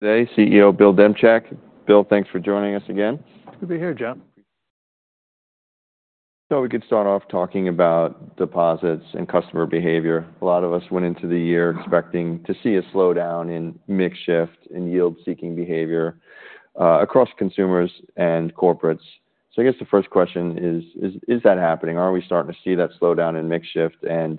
Today, CEO Bill Demchak. Bill, thanks for joining us again. Good to be here, John. So we could start off talking about deposits and customer behavior. A lot of us went into the year expecting to see a slowdown in mix shift, in yield-seeking behavior, across consumers and corporates. So I guess the first question is, is that happening? Are we starting to see that slowdown in mix shift, and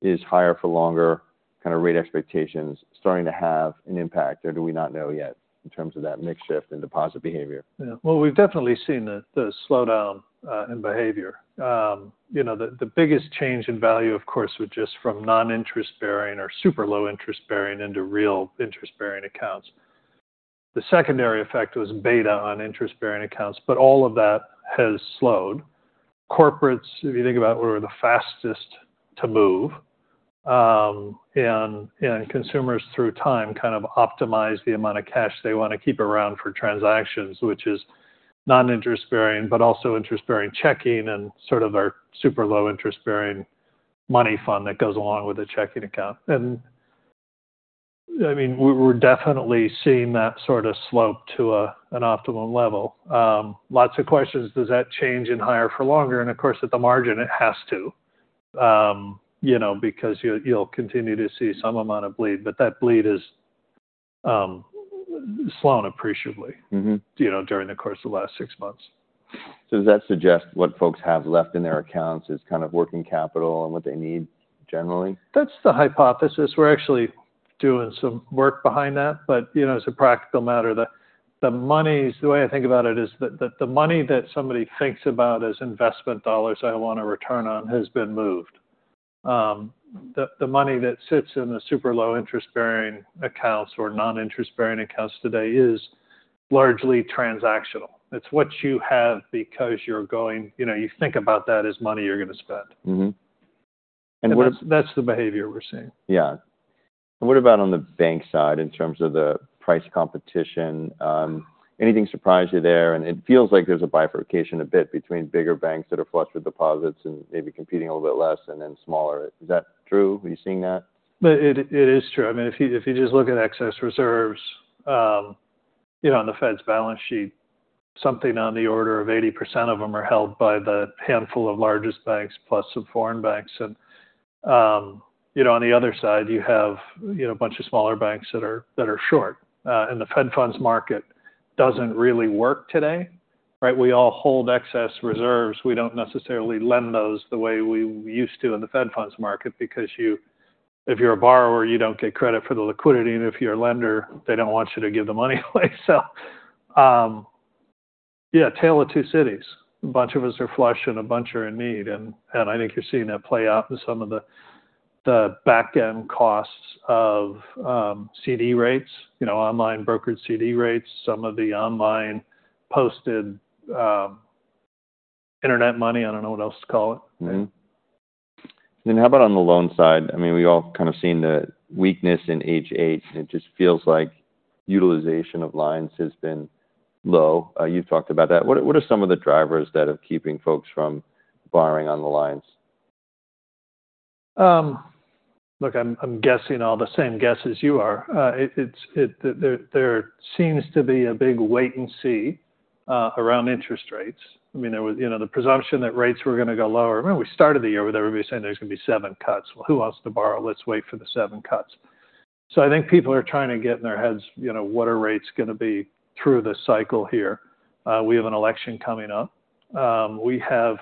is higher for longer kinda rate expectations starting to have an impact, or do we not know yet in terms of that mix shift and deposit behavior? Yeah. Well, we've definitely seen the slowdown in behavior. You know, the biggest change in value, of course, was just from non-interest-bearing or super low interest-bearing into real interest-bearing accounts. The secondary effect was beta on interest-bearing accounts, but all of that has slowed. Corporates, if you think about where were the fastest to move, and consumers, through time, kind of optimize the amount of cash they wanna keep around for transactions, which is non-interest-bearing, but also interest-bearing checking and sort of our super low interest-bearing money fund that goes along with the checking account. And, I mean, we're definitely seeing that sort of slope to an optimum level. Lots of questions, does that change in higher for longer? And of course, at the margin, it has to, you know, because you'll continue to see some amount of bleed, but that bleed is, slowed appreciably- Mm-hmm... you know, during the course of the last six months. Does that suggest what folks have left in their accounts is kind of working capital and what they need generally? That's the hypothesis. We're actually doing some work behind that. But, you know, as a practical matter, the, the monies—the way I think about it is that, that the money that somebody thinks about as investment dollars I want a return on, has been moved. The, the money that sits in the super low interest-bearing accounts or non-interest-bearing accounts today is largely transactional. It's what you have because you're going... You know, you think about that as money you're gonna spend. Mm-hmm. And what- That's the behavior we're seeing. Yeah. And what about on the bank side, in terms of the price competition? Anything surprise you there? And it feels like there's a bifurcation a bit between bigger banks that are flush with deposits and maybe competing a little bit less and then smaller. Is that true? Are you seeing that? It is true. I mean, if you just look at excess reserves, you know, on the Fed's balance sheet, something on the order of 80% of them are held by the handful of largest banks, plus some foreign banks. And, you know, on the other side, you have, you know, a bunch of smaller banks that are short. And the Fed Funds market doesn't really work today, right? We all hold excess reserves. We don't necessarily lend those the way we used to in the Fed Funds market, because if you're a borrower, you don't get credit for the liquidity, and if you're a lender, they don't want you to give the money away. So, yeah, Tale of Two Cities. A bunch of us are flush, and a bunch are in need, and I think you're seeing that play out in some of the back-end costs of CD rates, you know, online brokered CD rates, some of the online posted internet money. I don't know what else to call it. Mm-hmm. And how about on the loan side? I mean, we've all kind of seen the weakness in H.8, and it just feels like utilization of lines has been low. You've talked about that. What, what are some of the drivers that are keeping folks from borrowing on the lines? Look, I'm guessing all the same guess as you are. It seems to be a big wait and see around interest rates. I mean, there was... You know, the presumption that rates were gonna go lower. Remember, we started the year with everybody saying there's gonna be seven cuts. Well, who wants to borrow? Let's wait for the seven cuts. So I think people are trying to get in their heads, you know, what are rates gonna be through this cycle here? We have an election coming up. We have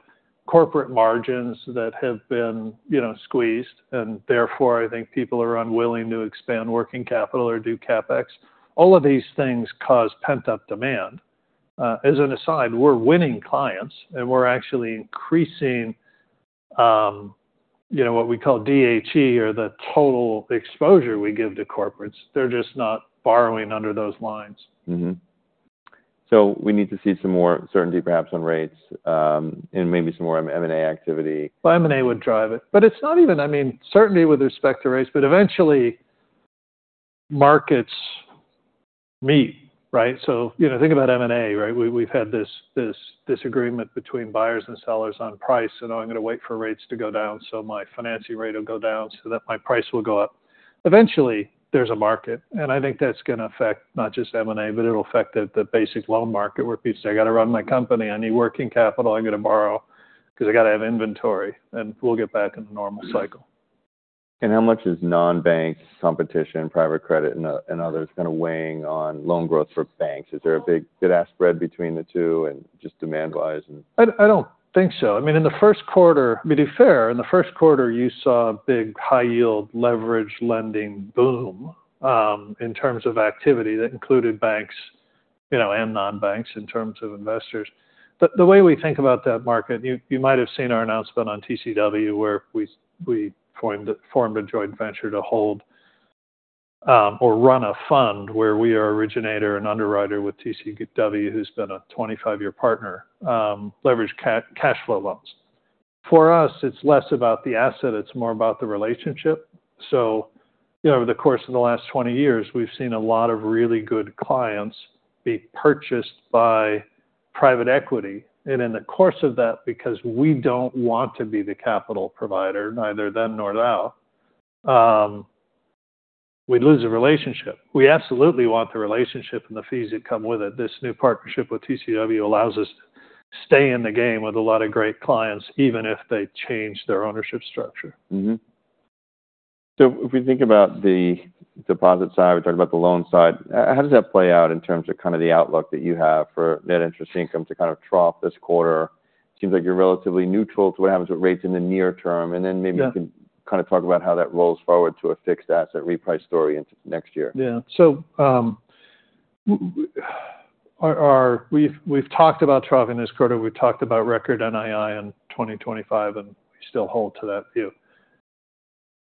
corporate margins that have been, you know, squeezed, and therefore, I think people are unwilling to expand working capital or do CapEx. All of these things cause pent-up demand. As an aside, we're winning clients, and we're actually increasing, you know, what we call TCE or the total exposure we give to corporates. They're just not borrowing under those lines. Mm-hmm. So we need to see some more certainty, perhaps on rates, and maybe some more M&A activity. Well, M&A would drive it. But it's not even, I mean, certainly with respect to rates, but eventually markets meet, right? So, you know, think about M&A, right? We've had this, this disagreement between buyers and sellers on price, and I'm gonna wait for rates to go down, so my financing rate will go down, so that my price will go up. Eventually, there's a market, and I think that's gonna affect not just M&A, but it'll affect the basic loan market, where people say, "I got to run my company. I need working capital. I'm gonna borrow because I got to have inventory," and we'll get back in the normal cycle. How much is non-bank competition, private credit, and others kinda weighing on loan growth for banks? Is there a big bid-ask spread between the two and just demand-wise, and- I don't think so. I mean, in the first quarter, to be fair, in the first quarter, you saw a big high-yield leverage lending boom in terms of activity that included banks, you know, and non-banks in terms of investors. But the way we think about that market, you might have seen our announcement on TCW, where we formed a joint venture to hold or run a fund where we are originator and underwriter with TCW, who's been a 25-year partner, leveraged cash flow loans. For us, it's less about the asset, it's more about the relationship. So, you know, over the course of the last 20 years, we've seen a lot of really good clients be purchased by-... Private equity, and in the course of that, because we don't want to be the capital provider, neither them nor thou, we lose a relationship. We absolutely want the relationship and the fees that come with it. This new partnership with TCW allows us to stay in the game with a lot of great clients, even if they change their ownership structure. Mm-hmm. So if we think about the deposit side, we talked about the loan side, how does that play out in terms of kind of the outlook that you have for net interest income to kind of trough this quarter? Seems like you're relatively neutral to what happens with rates in the near term, and then maybe- Yeah You can kind of talk about how that rolls forward to a fixed asset reprice story into next year. Yeah. So, our-- we've talked about trough in this quarter, we've talked about record NII in 2025, and we still hold to that view.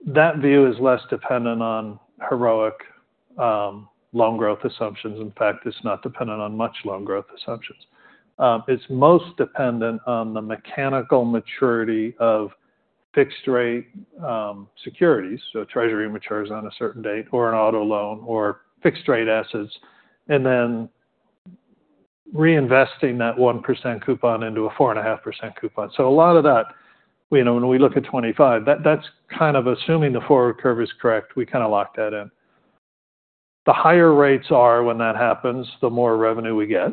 That view is less dependent on heroic, loan growth assumptions. In fact, it's not dependent on much loan growth assumptions. It's most dependent on the mechanical maturity of fixed rate, securities, so treasury matures on a certain date or an auto loan or fixed rate assets, and then reinvesting that 1% coupon into a 4.5% coupon. So a lot of that, you know, when we look at 2025, that's kind of assuming the forward curve is correct, we kinda lock that in. The higher rates are when that happens, the more revenue we get,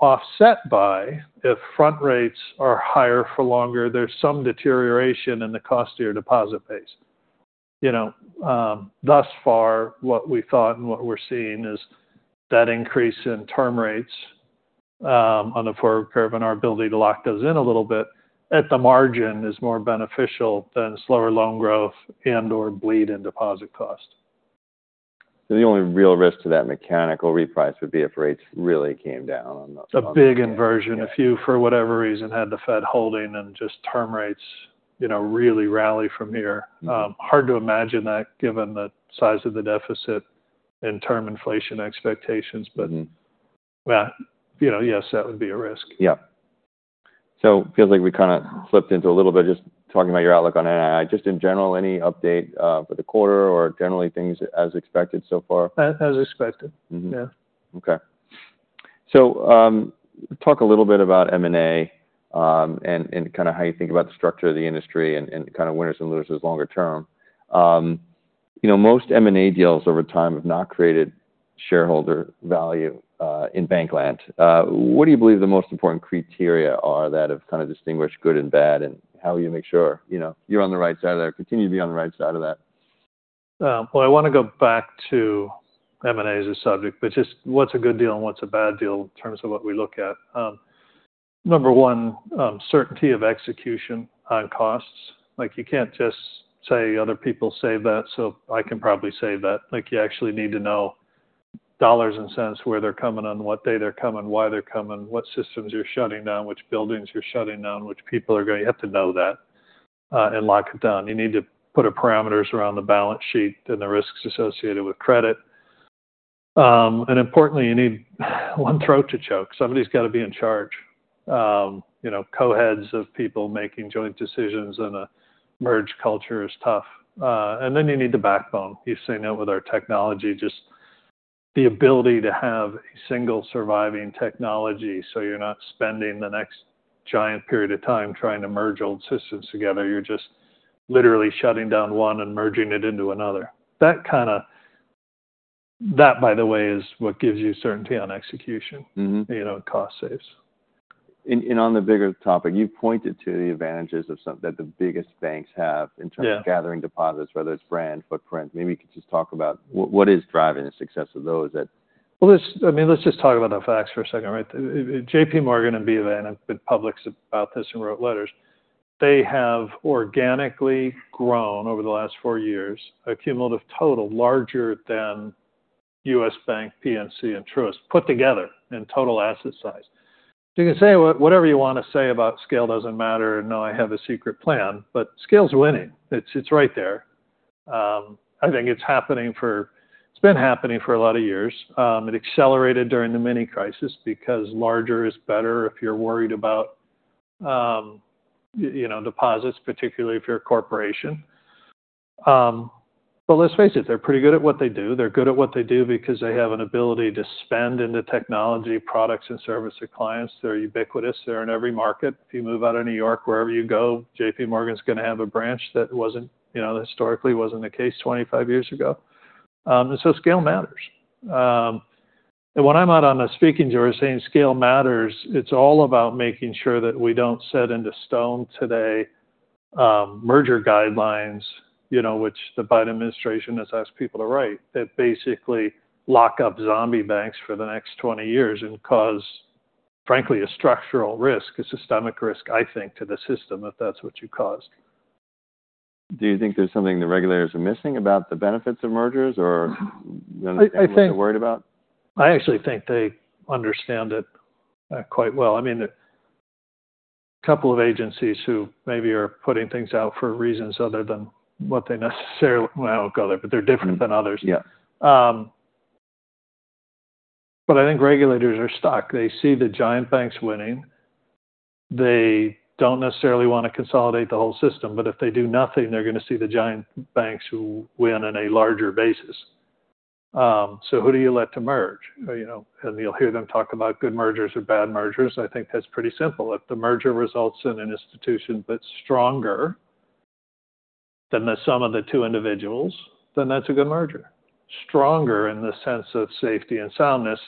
offset by, if front rates are higher for longer, there's some deterioration in the cost of your deposit base. You know, thus far, what we thought and what we're seeing is that increase in term rates on the forward curve and our ability to lock those in a little bit at the margin is more beneficial than slower loan growth and, or bleed in deposit cost. So the only real risk to that mechanical reprice would be if rates really came down on the- A big inversion, if you, for whatever reason, had the Fed holding and just term rates, you know, really rally from here. Mm-hmm. Hard to imagine that given the size of the deficit and term inflation expectations, but- Mm. Well, you know, yes, that would be a risk. Yeah. So it feels like we kinda flipped into a little bit just talking about your outlook on NII. Just in general, any update for the quarter or generally things as expected so far? As expected. Mm-hmm. Yeah. Okay. So, talk a little bit about M&A, and kind of how you think about the structure of the industry and kind of winners and losers longer term. You know, most M&A deals over time have not created shareholder value in bank land. What do you believe the most important criteria are that have kind of distinguished good and bad, and how will you make sure, you know, you're on the right side of that, continue to be on the right side of that? Well, I wanna go back to M&A as a subject, which is what's a good deal and what's a bad deal in terms of what we look at? Number one, certainty of execution on costs. Like, you can't just say other people say that, so I can probably say that. Like, you actually need to know dollars and cents, where they're coming on, what day they're coming, what systems you're shutting down, which buildings you're shutting down, which people are gonna... You have to know that, and lock it down. You need to put a parameters around the balance sheet and the risks associated with credit. And importantly, you need one throat to choke. Somebody's got to be in charge. You know, co-heads of people making joint decisions in a merged culture is tough. And then you need the backbone. You've seen it with our technology, just the ability to have a single surviving technology, so you're not spending the next giant period of time trying to merge old systems together. You're just literally shutting down one and merging it into another. That, by the way, is what gives you certainty on execution. Mm-hmm... you know, and cost savings. And on the bigger topic, you've pointed to the advantages of some-- that the biggest banks have- Yeah... in terms of gathering deposits, whether it's brand, footprint. Maybe you could just talk about what, what is driving the success of those that- Well, let's—I mean, let's just talk about the facts for a second, right? JPMorgan and B of A have been public about this and wrote letters. They have organically grown over the last four years, a cumulative total larger than U.S. Bank, PNC, and Truist put together in total asset size. So you can say what... Whatever you wanna say about scale doesn't matter, no, I have a secret plan, but scale's winning. It's right there. I think it's happening for... It's been happening for a lot of years. It accelerated during the mini crisis because larger is better if you're worried about, you know, deposits, particularly if you're a corporation. But let's face it, they're pretty good at what they do. They're good at what they do because they have an ability to spend in the technology, products and service their clients. They're ubiquitous, they're in every market. If you move out of New York, wherever you go, JPMorgan is gonna have a branch that wasn't, you know, historically wasn't the case 25 years ago. And so scale matters. And when I'm out on a speaking tour saying scale matters, it's all about making sure that we don't set into stone today, merger guidelines, you know, which the Biden administration has asked people to write, that basically lock up zombie banks for the next 20 years and cause, frankly, a structural risk, a systemic risk, I think, to the system, if that's what you caused. Do you think there's something the regulators are missing about the benefits of mergers or? I think- what they're worried about? I actually think they understand it, quite well. I mean, a couple of agencies who maybe are putting things out for reasons other than what they necessarily... Well, I won't go there, but they're different than others. Yeah. But I think regulators are stuck. They see the giant banks winning... they don't necessarily want to consolidate the whole system, but if they do nothing, they're gonna see the giant banks who win on a larger basis. So who do you let to merge? You know, and you'll hear them talk about good mergers or bad mergers. I think that's pretty simple. If the merger results in an institution that's stronger than the sum of the two individuals, then that's a good merger. Stronger in the sense of safety and soundness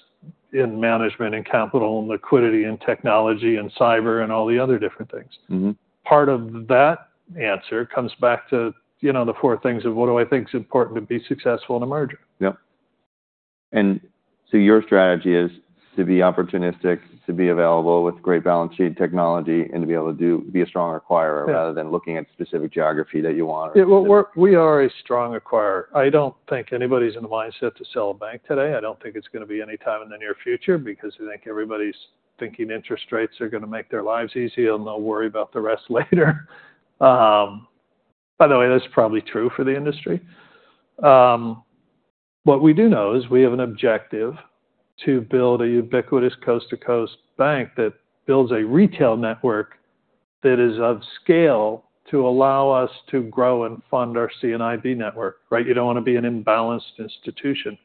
in management, and capital, and liquidity, and technology, and cyber, and all the other different things. Mm-hmm. Part of that answer comes back to, you know, the four things of what do I think is important to be successful in a merger? Yep. And so your strategy is to be opportunistic, to be available with great balance sheet technology, and to be able to be a strong acquirer- Yeah Rather than looking at specific geography that you want? Yeah, well, we're, we are a strong acquirer. I don't think anybody's in the mindset to sell a bank today. I don't think it's gonna be anytime in the near future because I think everybody's thinking interest rates are gonna make their lives easier, and they'll worry about the rest later. By the way, that's probably true for the industry. What we do know is we have an objective to build a ubiquitous coast-to-coast bank that builds a retail network that is of scale to allow us to grow and fund our C&IB network, right? You don't wanna be an imbalanced institution.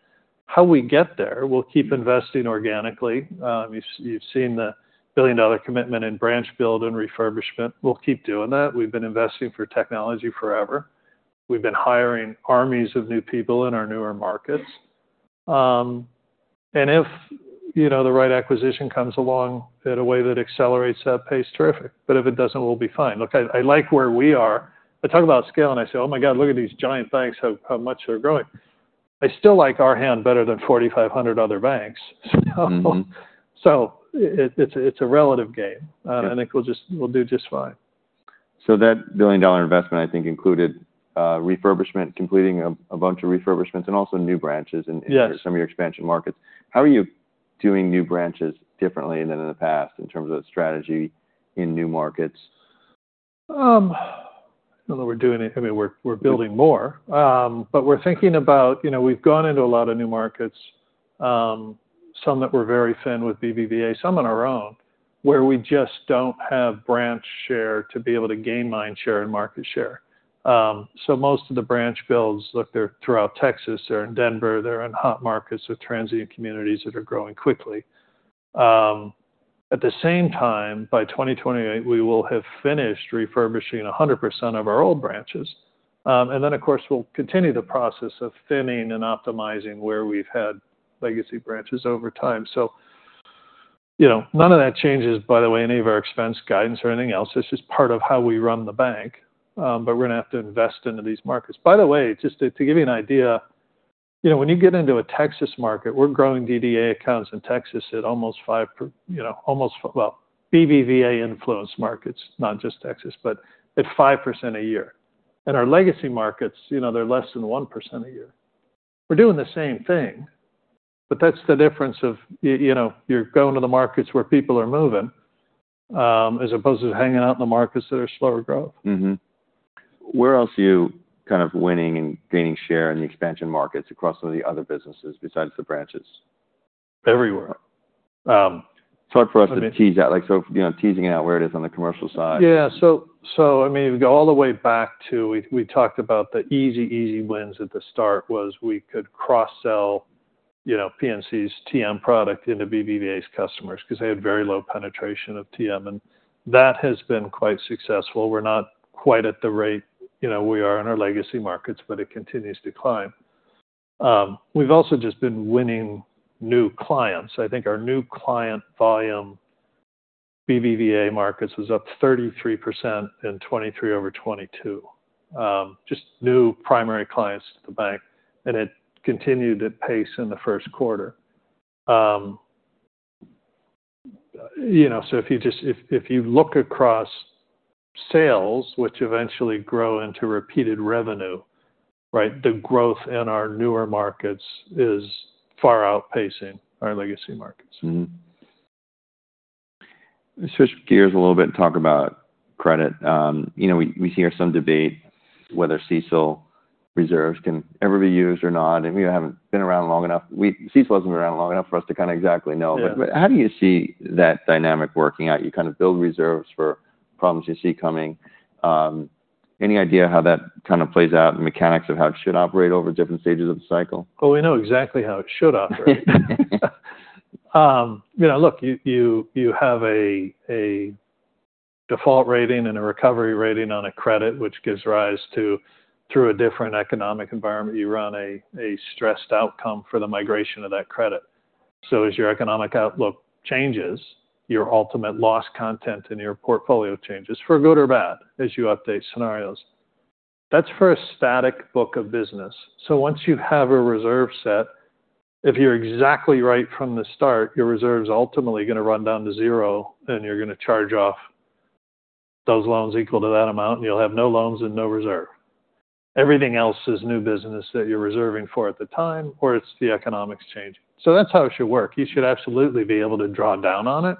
How we get there, we'll keep investing organically. You've seen the billion-dollar commitment in branch build and refurbishment. We'll keep doing that. We've been investing for technology forever. We've been hiring armies of new people in our newer markets. And if, you know, the right acquisition comes along in a way that accelerates that pace, terrific. But if it doesn't, we'll be fine. Look, I like where we are. I talk about scale, and I say, "Oh, my God, look at these giant banks, how much they're growing." I still like our hand better than 4,500 other banks, so- Mm-hmm... so it's a relative game. I think we'll just do just fine. That billion-dollar investment, I think, included refurbishment, completing a bunch of refurbishments and also new branches in- Yes Some of your expansion markets. How are you doing new branches differently than in the past, in terms of strategy in new markets? Not that we're doing it... I mean, we're building more. But we're thinking about, you know, we've gone into a lot of new markets, some that were very thin with BBVA, some on our own, where we just don't have branch share to be able to gain mind share and market share. So most of the branch builds, look, they're throughout Texas, they're in Denver, they're in hot markets with transient communities that are growing quickly. At the same time, by 2028, we will have finished refurbishing 100% of our old branches. And then, of course, we'll continue the process of thinning and optimizing where we've had legacy branches over time. So, you know, none of that changes, by the way, any of our expense guidance or anything else. This is part of how we run the bank, but we're gonna have to invest into these markets. By the way, just to give you an idea, you know, when you get into a Texas market, we're growing DDA accounts in Texas at almost 5%, you know, BBVA-influenced markets, not just Texas, but at 5% a year. And our legacy markets, you know, they're less than 1% a year. We're doing the same thing, but that's the difference, you know, you're going to the markets where people are moving, as opposed to hanging out in the markets that are slower growth. Mm-hmm. Where else are you kind of winning and gaining share in the expansion markets across some of the other businesses besides the branches? Everywhere. Um- It's hard for us to tease out, like, so, you know, teasing out where it is on the commercial side. Yeah. So, I mean, if we go all the way back to we talked about the easy wins at the start was we could cross-sell, you know, PNC's TM product into BBVA's customers because they had very low penetration of TM, and that has been quite successful. We're not quite at the rate, you know, we are in our legacy markets, but it continues to climb. We've also just been winning new clients. I think our new client volume, BBVA markets, was up 33% in 2023 over 2022. Just new primary clients to the bank, and it continued at pace in the first quarter. You know, so if you look across sales, which eventually grow into repeated revenue, right? The growth in our newer markets is far outpacing our legacy markets. Mm-hmm. Let's switch gears a little bit and talk about credit. You know, we, we hear some debate, whether CECL reserves can ever be used or not, and we haven't been around long enough. CECL hasn't been around long enough for us to kind of exactly know. Yeah. But how do you see that dynamic working out? You kind of build reserves for problems you see coming. Any idea how that kind of plays out, the mechanics of how it should operate over different stages of the cycle? Oh, we know exactly how it should operate. You know, look, you have a default rating and a recovery rating on a credit, which gives rise to, through a different economic environment, you run a stressed outcome for the migration of that credit. So as your economic outlook changes, your ultimate loss content and your portfolio changes, for good or bad, as you update scenarios. That's for a static book of business. So once you have a reserve set, if you're exactly right from the start, your reserve's ultimately gonna run down to zero, and you're gonna charge off those loans equal to that amount, and you'll have no loans and no reserve. Everything else is new business that you're reserving for at the time, or it's the economics changing. So that's how it should work. You should absolutely be able to draw down on it.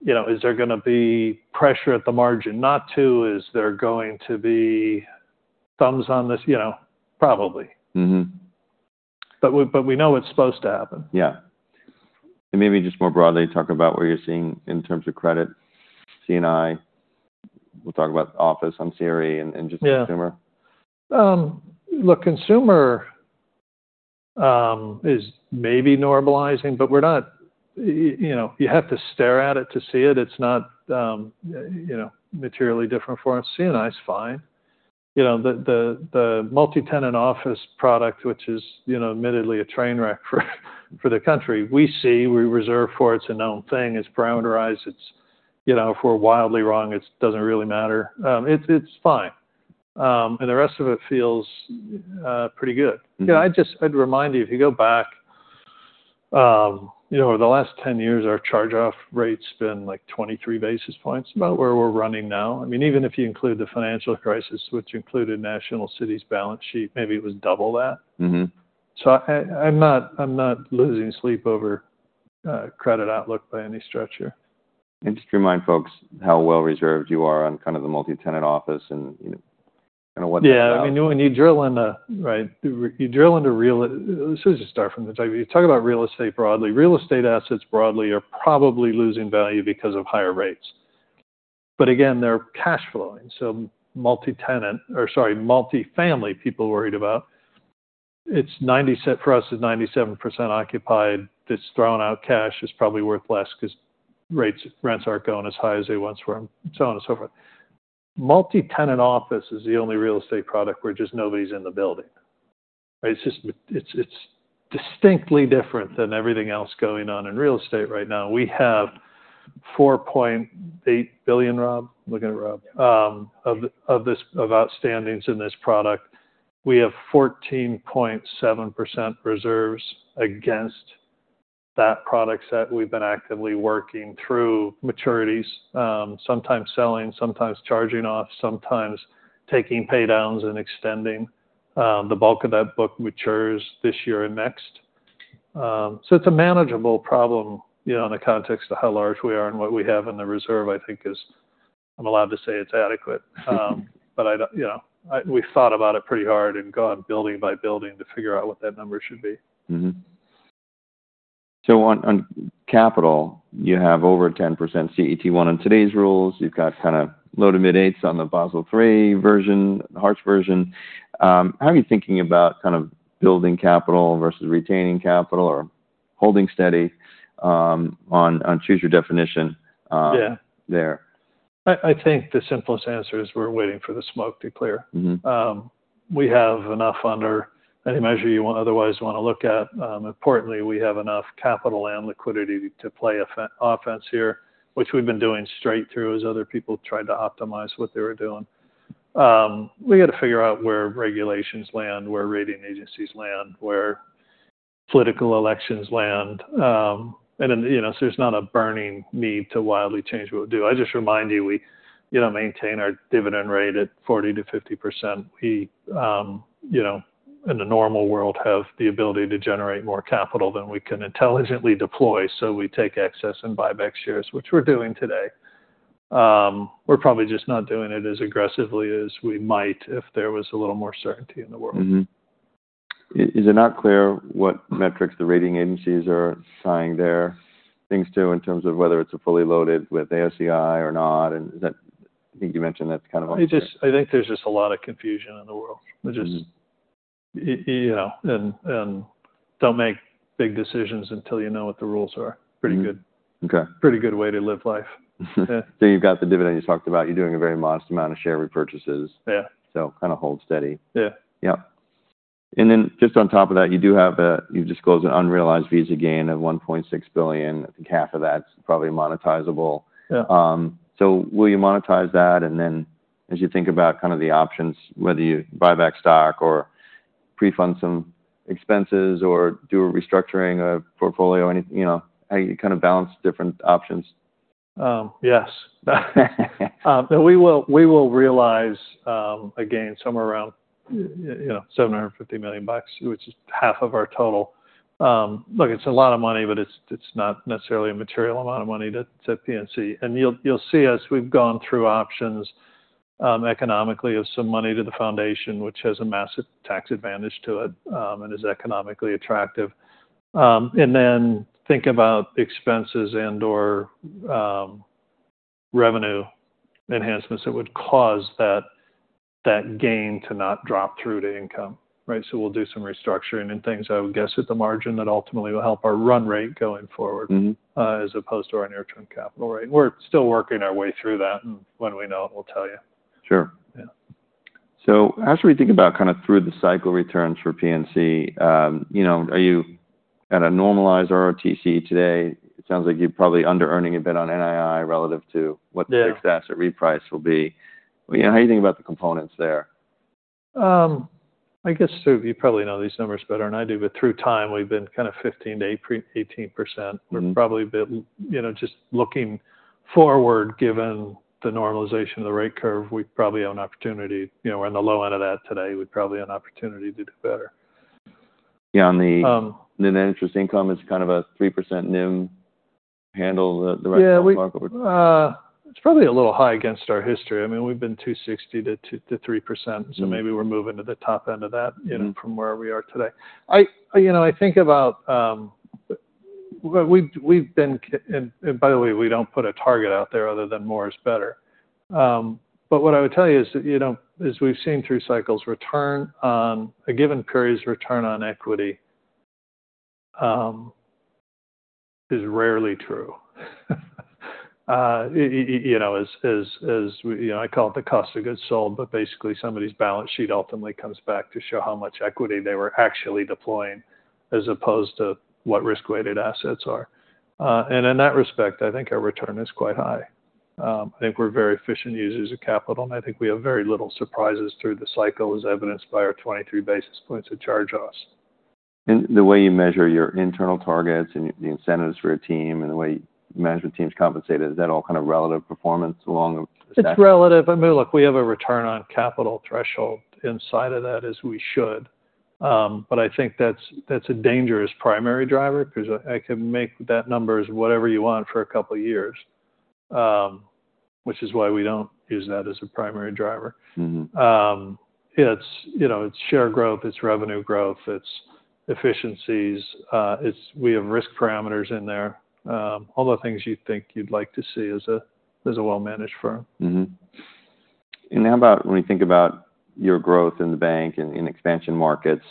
You know, is there gonna be pressure at the margin not to? Is there going to be thumbs on this? You know, probably. Mm-hmm.... but we know it's supposed to happen. Yeah. And maybe just more broadly, talk about what you're seeing in terms of credit, C&I. We'll talk about office on CRE and, and just consumer. Yeah. Look, consumer is maybe normalizing, but we're not, you know, you have to stare at it to see it. It's not, you know, materially different for us. C&I is fine. You know, the multi-tenant office product, which is, you know, admittedly a train wreck for the country, we see, we reserve for it. It's a known thing. It's parameterized. It's, you know, if we're wildly wrong, it doesn't really matter. It, it's fine. And the rest of it feels pretty good. Mm-hmm. You know, I just -- I'd remind you, if you go back, you know, over the last 10 years, our charge-off rate's been, like, 23 basis points, about where we're running now. I mean, even if you include the financial crisis, which included National City's balance sheet, maybe it was double that. Mm-hmm. So, I'm not, I'm not losing sleep over credit outlook by any stretch here. Just to remind folks how well reserved you are on kind of the multi-tenant office and, you know, kind of what- Yeah, I mean, when you drill into... Right. You drill into real- let's just start from the top. You talk about real estate broadly. Real estate assets broadly are probably losing value because of higher rates. But again, they're cash flowing, so multi-tenant, or sorry, multifamily, people are worried about, it's ninety-se- for us, it's 97% occupied, that's thrown out cash, is probably worth less because rates, rents aren't going as high as they once were, so on and so forth. Multi-tenant office is the only real estate product where just nobody's in the building. It's just, it's, it's distinctly different than everything else going on in real estate right now. We have $4.8 billion, Rob? Looking at Rob. Of, of this, of outstandings in this product, we have 14.7% reserves against that product set. We've been actively working through maturities, sometimes selling, sometimes charging off, sometimes taking pay downs and extending. The bulk of that book matures this year and next. So it's a manageable problem, you know, in the context of how large we are and what we have in the reserve, I think is... I'm allowed to say it's adequate. But I don't, you know, we've thought about it pretty hard and gone building by building to figure out what that number should be. Mm-hmm. So on capital, you have over 10% CET1 on today's rules. You've got kind of low to mid eights on the Basel III version, the hardest version. How are you thinking about kind of building capital versus retaining capital or holding steady, on choose your definition? Yeah -there? I think the simplest answer is we're waiting for the smoke to clear. Mm-hmm. We have enough under any measure you want to look at. Importantly, we have enough capital and liquidity to play offense here, which we've been doing straight through, as other people tried to optimize what they were doing. We got to figure out where regulations land, where rating agencies land, where political elections land. And then, you know, so there's not a burning need to wildly change what we'll do. I just remind you, we, you know, maintain our dividend rate at 40%-50%. We, you know, in the normal world, have the ability to generate more capital than we can intelligently deploy, so we take excess and buy back shares, which we're doing today. We're probably just not doing it as aggressively as we might if there was a little more certainty in the world. Mm-hmm. Is, is it not clear what metrics the rating agencies are assigning their things to, in terms of whether it's a fully loaded with AOCI or not? And is that... I think you mentioned that's kind of like- I just, I think there's just a lot of confusion in the world. Mm-hmm. Which is, you know, and don't make big decisions until you know what the rules are. Mm-hmm. Pretty good. Okay. Pretty good way to live life. So you've got the dividend you talked about. You're doing a very modest amount of share repurchases. Yeah. So kind of hold steady. Yeah. Yep. And then just on top of that, you do have a, you've disclosed an unrealized Visa gain of $1.6 billion. I think half of that's probably monetizable. Yeah. So, will you monetize that? And then, as you think about kind of the options, whether you buy back stock or pre-fund some expenses or do a restructuring of portfolio, you know, how you kind of balance different options? Yes. But we will realize a gain somewhere around, you know, $750 million bucks, which is half of our total. Look, it's a lot of money, but it's not necessarily a material amount of money to PNC. And you'll see us, we've gone through options, economically, of some money to the foundation, which has a massive tax advantage to it, and is economically attractive. And then think about expenses and/or revenue enhancements that would cause that gain to not drop through to income, right? So we'll do some restructuring and things, I would guess, at the margin, that ultimately will help our run rate going forward- Mm-hmm... as opposed to our near-term capital rate. We're still working our way through that, and when we know it, we'll tell you. Sure. Yeah. So as we think about kind of through the cycle returns for PNC, you know, are you at a normalized ROTCE today? It sounds like you're probably under-earning a bit on NII relative to what- Yeah the fixed asset reprice will be. You know, how do you think about the components there? I guess, too, you probably know these numbers better than I do, but through time, we've been kind of 15%-18%. Mm-hmm. We're probably a bit, you know, just looking forward, given the normalization of the rate curve, we probably have an opportunity, you know, we're on the low end of that today. We probably have an opportunity to do better. Yeah, on the- Um... the net interest income is kind of a 3% NIM?... handle the retail market? Yeah, it's probably a little high against our history. I mean, we've been 2.60% to 2%-3%, so maybe we're moving to the top end of that- Mm-hmm you know, from where we are today. I, you know, I think about, well, by the way, we don't put a target out there other than more is better. But what I would tell you is that, you know, as we've seen through cycles, return on a given credit's return on equity is rarely true. You know, as you know, I call it the cost of goods sold, but basically, somebody's balance sheet ultimately comes back to show how much equity they were actually deploying, as opposed to what risk-weighted assets are. And in that respect, I think our return is quite high. I think we're very efficient users of capital, and I think we have very little surprises through the cycle, as evidenced by our 23 basis points of charge-offs. The way you measure your internal targets and the incentives for your team and the way management team's compensated, is that all kind of relative performance along the stack? It's relative. I mean, look, we have a return on capital threshold inside of that, as we should. But I think that's a dangerous primary driver because I can make that number as whatever you want for a couple of years, which is why we don't use that as a primary driver. Mm-hmm. It's, you know, it's share growth, it's revenue growth, it's efficiencies, it's we have risk parameters in there. All the things you'd think you'd like to see as a well-managed firm. Mm-hmm. And how about when you think about your growth in the bank and in expansion markets,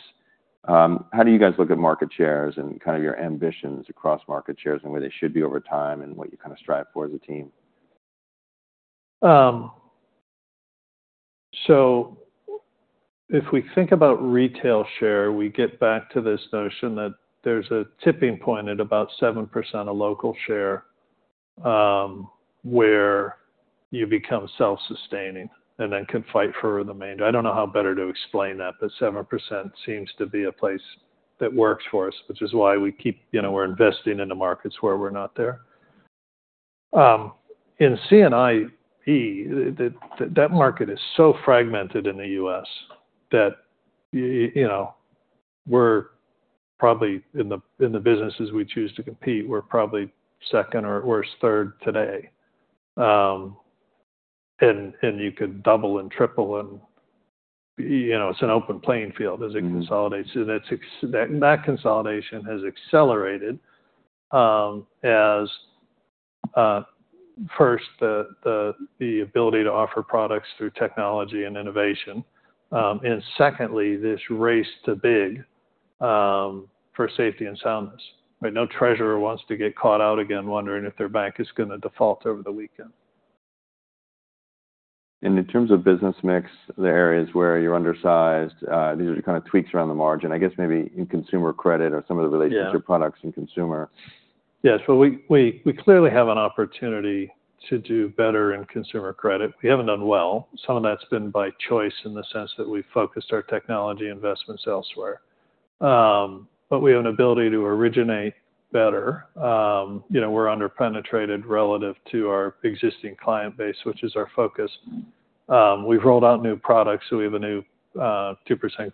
how do you guys look at market shares and kind of your ambitions across market shares and where they should be over time, and what you kind of strive for as a team? So if we think about retail share, we get back to this notion that there's a tipping point at about 7% of local share, where you become self-sustaining and then can fight for the major. I don't know how better to explain that, but 7% seems to be a place that works for us, which is why we keep you know, we're investing in the markets where we're not there. In C&IB, that market is so fragmented in the U.S. that you know, we're probably in the businesses we choose to compete, we're probably second or worse, third today. And you could double and triple, you know, it's an open playing field. Mm-hmm... as it consolidates. So that's exactly that consolidation has accelerated, as first, the ability to offer products through technology and innovation, and secondly, this race to big, for safety and soundness. Right? No treasurer wants to get caught out again, wondering if their bank is gonna default over the weekend. In terms of business mix, the areas where you're undersized, these are kind of tweaks around the margin, I guess maybe in consumer credit or some of the- Yeah relationship products in consumer. Yes, well, we clearly have an opportunity to do better in consumer credit. We haven't done well. Some of that's been by choice in the sense that we've focused our technology investments elsewhere. But we have an ability to originate better. You know, we're under-penetrated relative to our existing client base, which is our focus. We've rolled out new products, so we have a new 2%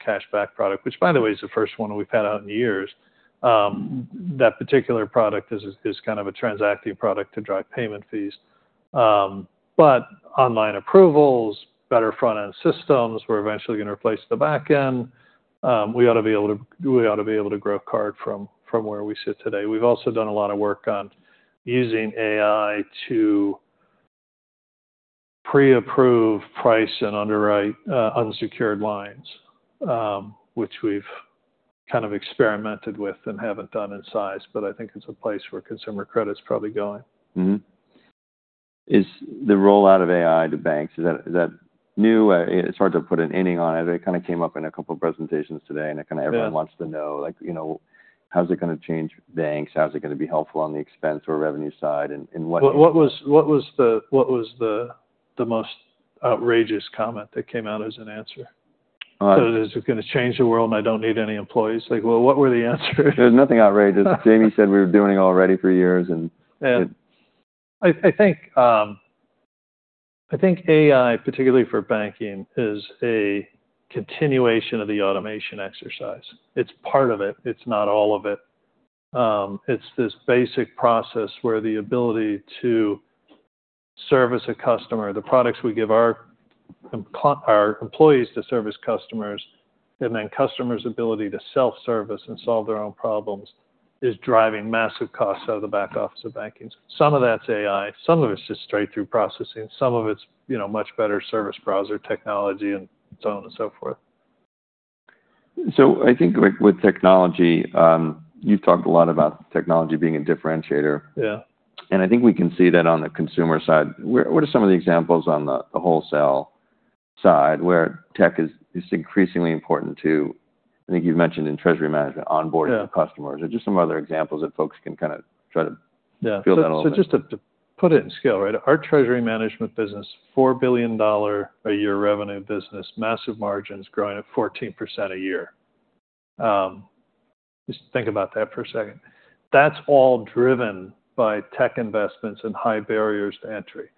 cashback product, which, by the way, is the first one we've had out in years. That particular product is kind of a transacting product to drive payment fees. But online approvals, better front-end systems, we're eventually gonna replace the back end. We ought to be able to grow card from where we sit today. We've also done a lot of work on using AI to preapprove price and underwrite, unsecured lines, which we've kind of experimented with and haven't done in size, but I think it's a place where consumer credit is probably going. Mm-hmm. Is the rollout of AI to banks, is that, is that new? It's hard to put an ending on it. It kind of came up in a couple of presentations today, and it kind of- Yeah... everyone wants to know, like, you know, how's it gonna change banks? How's it gonna be helpful on the expense or revenue side, and what- What was the most outrageous comment that came out as an answer? Uh- So is it gonna change the world, and I don't need any employees? Like, well, what were the answers? There's nothing outrageous. Jamie said we were doing already for years, and- Yeah. I, I think, I think AI, particularly for banking, is a continuation of the automation exercise. It's part of it; it's not all of it. It's this basic process where the ability to service a customer, the products we give our com... our employees to service customers, and then customers' ability to self-service and solve their own problems, is driving massive costs out of the back office of banking. Some of that's AI, some of it's just straight-through processing, some of it's, you know, much better service browser technology and so on and so forth. So I think with technology, you've talked a lot about technology being a differentiator. Yeah. I think we can see that on the consumer side. Where, what are some of the examples on the wholesale side, where tech is increasingly important to... I think you've mentioned in treasury management, onboarding- Yeah the customers. Are there just some other examples that folks can kind of try to- Yeah build that a little bit? So just to put it in scale, right? Our treasury management business, $4 billion-a-year revenue business, massive margins, growing at 14% a year. Just think about that for a second. That's all driven by tech investments and high barriers to entry.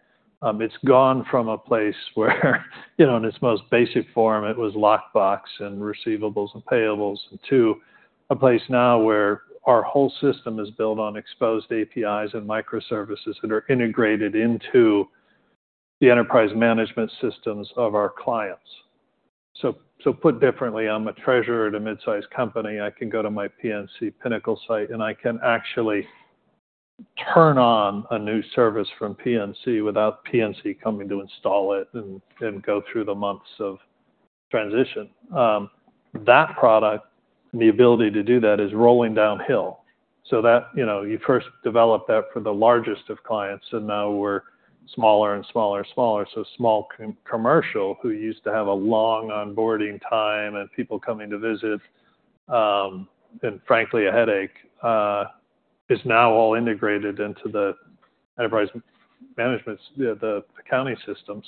It's gone from a place where, you know, in its most basic form, it was lockbox and receivables and payables, to a place now where our whole system is built on exposed APIs and microservices that are integrated into the enterprise management systems of our clients. So put differently, I'm a treasurer at a mid-sized company, I can go to my PNC PINACLE site, and I can actually turn on a new service from PNC without PNC coming to install it and go through the months of transition. That product, the ability to do that, is rolling downhill. So that, you know, you first develop that for the largest of clients, and now we're smaller and smaller and smaller. So small commercial, who used to have a long onboarding time and people coming to visit, and frankly, a headache, is now all integrated into the enterprise management, the accounting systems,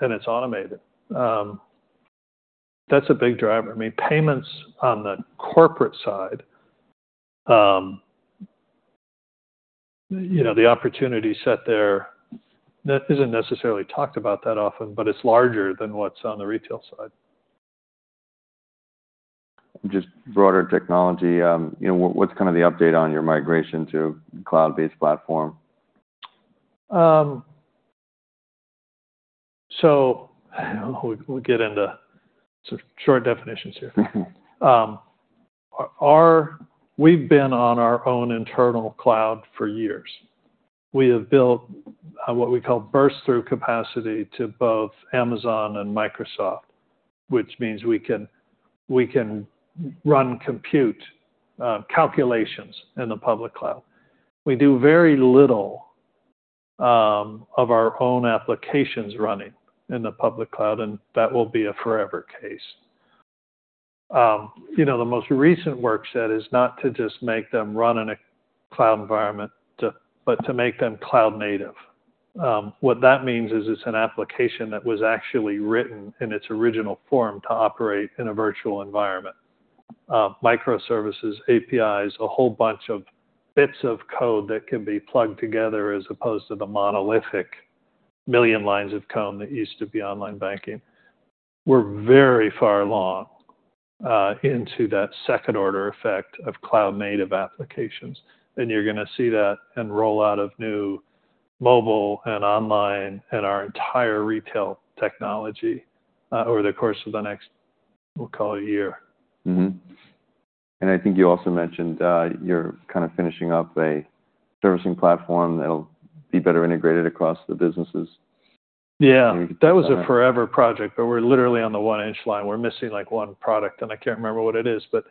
and it's automated. That's a big driver. I mean, payments on the corporate side, you know, the opportunity set there, that isn't necessarily talked about that often, but it's larger than what's on the retail side. Just broader technology, you know, what, what's kind of the update on your migration to cloud-based platform? So we, we'll get into sort of short definitions here. We've been on our own internal cloud for years. We have built what we call burst through capacity to both Amazon and Microsoft, which means we can, we can run compute calculations in the public cloud. We do very little of our own applications running in the public cloud, and that will be a forever case. You know, the most recent work set is not to just make them run in a cloud environment to... but to make them cloud native. What that means is it's an application that was actually written in its original form to operate in a virtual environment. Microservices, APIs, a whole bunch of bits of code that can be plugged together as opposed to the monolithic million lines of code that used to be online banking. We're very far along into that second order effect of cloud native applications, and you're going to see that in rollout of new mobile and online and our entire retail technology over the course of the next, we'll call it a year. Mm-hmm. And I think you also mentioned, you're kind of finishing up a servicing platform that'll be better integrated across the businesses. Yeah. Can you talk about that? That was a forever project, but we're literally on the one-inch line. We're missing, like, one product, and I can't remember what it is, but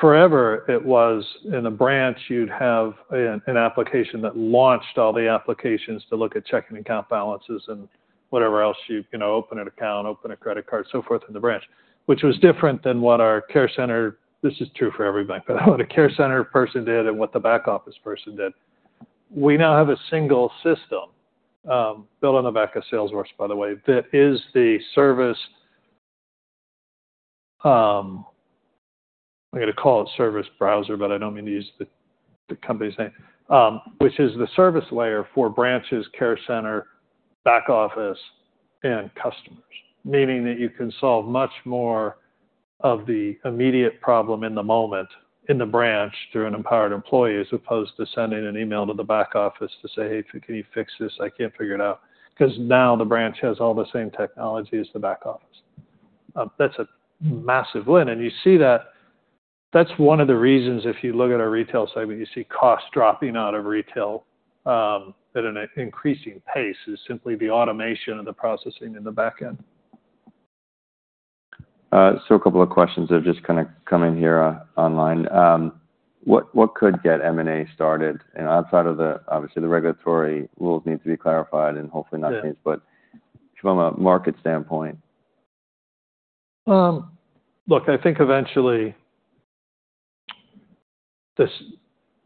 forever it was in a branch, you'd have an application that launched all the applications to look at checking account balances and whatever else, you can open an account, open a credit card, so forth, in the branch. Which was different than what our care center... This is true for every bank, but what a care center person did and what the back office person did. We now have a single system, built on the back of Salesforce, by the way, that is the service... I'm gonna call it service browser, but I don't mean to use the company's name. Which is the service layer for branches, care center, back office, and customers. Meaning that you can solve much more of the immediate problem in the moment in the branch through an empowered employee, as opposed to sending an email to the back office to say, "Hey, can you fix this? I can't figure it out." Because now the branch has all the same technology as the back office. That's a massive win, and you see that. That's one of the reasons, if you look at our retail side, when you see cost dropping out of retail at an increasing pace, is simply the automation and the processing in the back end. So a couple of questions have just kind of come in here, online. What could get M&A started? You know, outside of the, obviously, the regulatory rules need to be clarified and hopefully nothing changes- Yeah... but from a market standpoint. Look, I think eventually, this,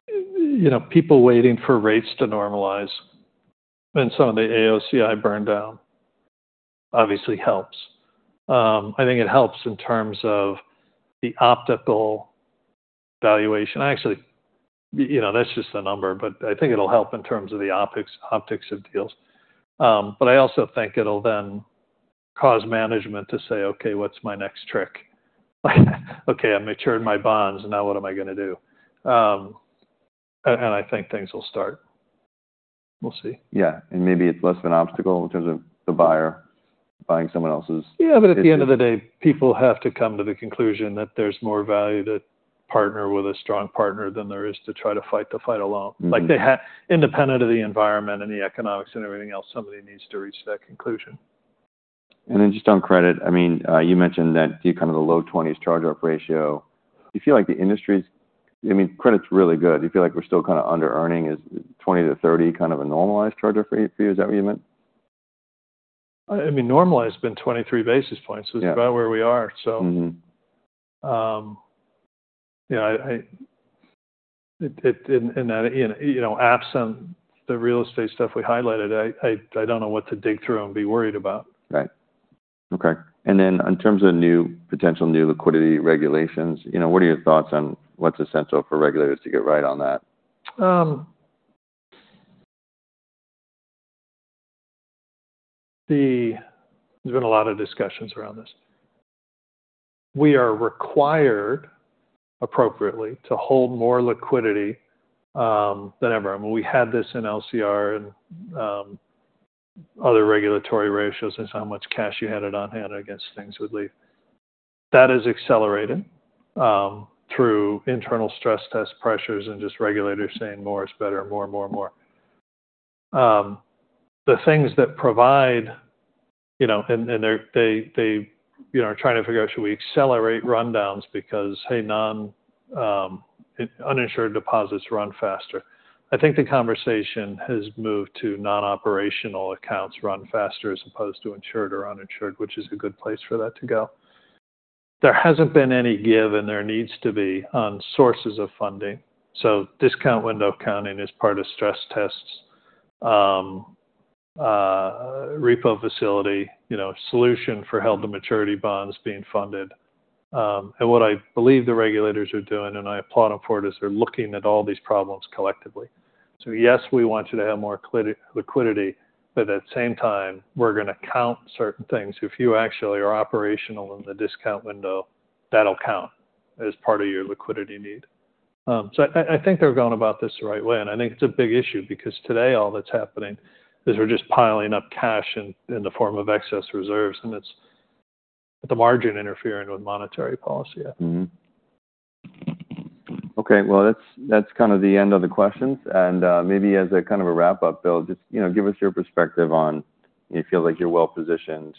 you know, people waiting for rates to normalize and some of the AOCI burn down obviously helps. I think it helps in terms of the optics valuation. Actually, you know, that's just a number, but I think it'll help in terms of the optics, optics of deals. But I also think it'll then cause management to say: Okay, what's my next trick? Okay, I matured my bonds, now what am I going to do? And, and I think things will start. We'll see. Yeah, and maybe it's less of an obstacle in terms of the buyer buying someone else's- Yeah, but at the end of the day, people have to come to the conclusion that there's more value to partner with a strong partner than there is to try to fight the fight alone. Mm-hmm. Like, they independent of the environment and the economics and everything else, somebody needs to reach that conclusion. Then just on credit, I mean, you mentioned that you're kind of the low 20s charge-off ratio. You feel like the industry's... I mean, credit's really good. You feel like we're still kind of under-earning? Is 20-30 kind of a normalized charge-off for you? Is that what you meant? I mean, normalized, it's been 23 basis points. Yeah. Which is about where we are. Mm-hmm. So, you know, absent the real estate stuff we highlighted, I don't know what to dig through and be worried about. Right... Okay. And then in terms of new, potential new liquidity regulations, you know, what are your thoughts on what's essential for regulators to get right on that? There's been a lot of discussions around this. We are required, appropriately, to hold more liquidity than ever. I mean, we had this in LCR and other regulatory ratios, is how much cash you had it on hand against things would leave. That is accelerated through internal stress test pressures and just regulators saying more is better, more and more and more. The things that provide, you know, and, and they're, they, they, you know, are trying to figure out, should we accelerate rundowns because, hey, non, uninsured deposits run faster. I think the conversation has moved to non-operational accounts run faster as opposed to insured or uninsured, which is a good place for that to go. There hasn't been any give, and there needs to be, on sources of funding. So discount window counting is part of stress tests, repo facility, you know, solution for held-to-maturity bonds being funded. And what I believe the regulators are doing, and I applaud them for it, is they're looking at all these problems collectively. So yes, we want you to have more liquidity, but at the same time, we're gonna count certain things. If you actually are operational in the discount window, that'll count as part of your liquidity need. So I think they're going about this the right way, and I think it's a big issue, because today all that's happening is we're just piling up cash in the form of excess reserves, and it's, at the margin, interfering with monetary policy. Mm-hmm. Okay, well, that's, that's kind of the end of the questions. And, maybe as a kind of a wrap-up, Bill, just, you know, give us your perspective on you feel like you're well-positioned,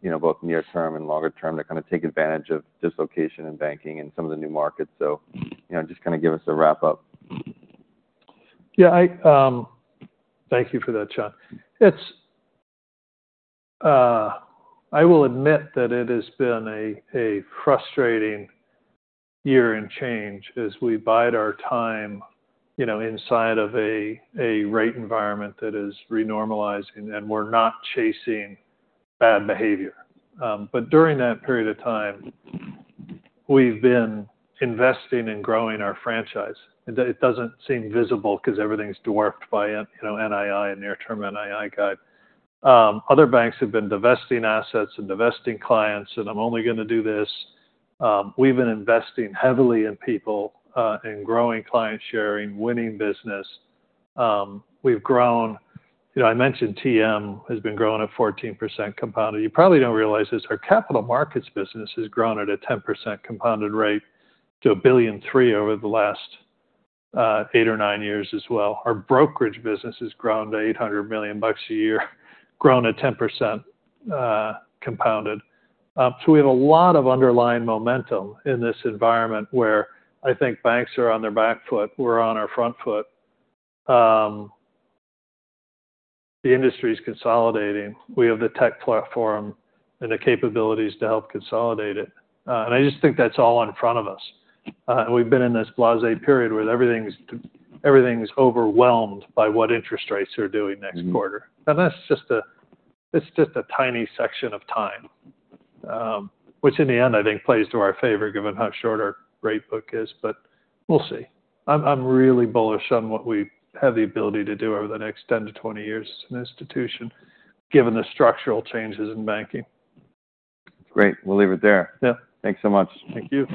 you know, both near term and longer term, to kinda take advantage of dislocation in banking and some of the new markets. So, you know, just kinda give us a wrap up. Yeah, I... Thank you for that, John. It's, I will admit that it has been a, a frustrating year and change as we bide our time, you know, inside of a, a rate environment that is renormalizing, and we're not chasing bad behavior. But during that period of time, we've been investing in growing our franchise. It doesn't seem visible because everything's dwarfed by, you know, NII and near-term NII guide. Other banks have been divesting assets and divesting clients, and I'm only gonna do this. We've been investing heavily in people, in growing client sharing, winning business. We've grown, you know, I mentioned TM has been growing at 14% compounded. You probably don't realize this, our capital markets business has grown at a 10% compounded rate to $1.3 billion over the last eight or nine years as well. Our brokerage business has grown to $800 million a year, grown at 10% compounded. So we have a lot of underlying momentum in this environment where I think banks are on their back foot, we're on our front foot. The industry is consolidating. We have the tech platform and the capabilities to help consolidate it. And I just think that's all in front of us. And we've been in this blasé period where everything's overwhelmed by what interest rates are doing next quarter. Mm-hmm. That's just a tiny section of time, which in the end, I think plays to our favor, given how short our rate book is, but we'll see. I'm really bullish on what we have the ability to do over the next 10-20 years as an institution, given the structural changes in banking. Great. We'll leave it there. Yeah. Thanks so much. Thank you.